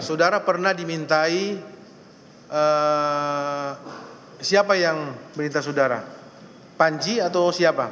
saudara pernah dimintai siapa yang melintas saudara panci atau siapa